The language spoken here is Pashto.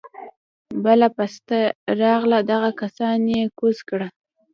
بله پسته راغله دغه کسان يې کوز کړه.